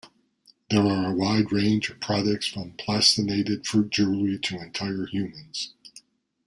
There are a wide range of products from plastinated fruit jewelry to entire humans.